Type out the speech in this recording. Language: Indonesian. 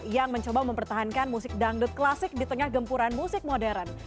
yang mencoba mempertahankan musik dangdut klasik di tengah gempuran musik modern